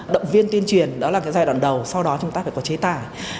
đồng viên tuyên truyền đó là giai đoạn đầu sau đó chúng ta phải có chế tái